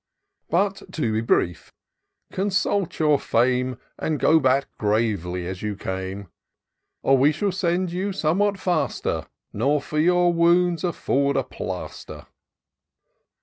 But, to be brief — consult your fame^ And go back gravely, as you came ; Or we shall send you somewhat faster, Nor for your wounds afford a plaster.